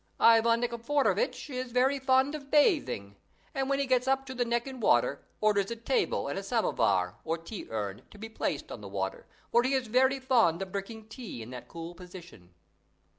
Ivan Nikiforovitch is very fond of bathing; and when he gets up to the neck in water, orders a table and a samovar, or tea urn, to be placed on the water, for he is very fond of drinking tea in that cool position.